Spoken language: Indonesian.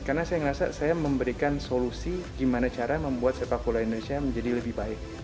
karena saya merasa saya memberikan solusi gimana cara membuat sepak bola indonesia menjadi lebih baik